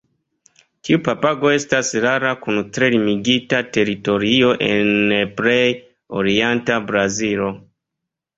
Tiu papago estas rara kun tre limigita teritorio en plej orienta Brazilo.